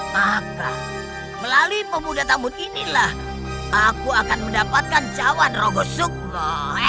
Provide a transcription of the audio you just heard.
maka melalui pemuda tamu inilah aku akan mendapatkan cawan rogo sukma